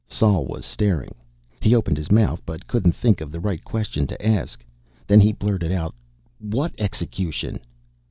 Sol was staring. He opened his mouth, but couldn't think of the right question to ask. Then he blurted out: "What execution?"